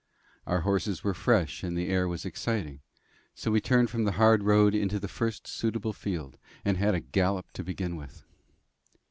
Our horses were fresh and the air was exciting; so we turned from the hard road into the first suitable field, and had a gallop to begin with.